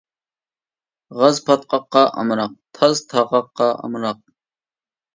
غاز پاتقاققا ئامراق، تاز تاغاققا ئامراق.